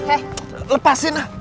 eh lepasin ah